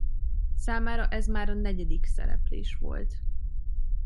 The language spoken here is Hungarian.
Számára ez már a negyedik szereplés volt.